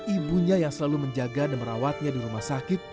ibunya yang selalu menjaga dan merawatnya di rumah sakit